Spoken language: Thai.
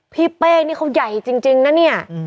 เป้นี่เขาใหญ่จริงนะเนี่ย